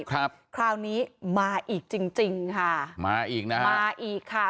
ครับคราวนี้มาอีกจริงจริงค่ะมาอีกนะฮะมาอีกค่ะ